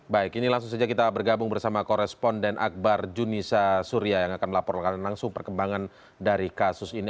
baik ini langsung saja kita bergabung bersama koresponden akbar junisa surya yang akan melaporkan langsung perkembangan dari kasus ini